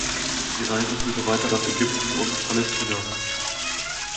Die Reise führte weiter nach Ägypten und Palästina.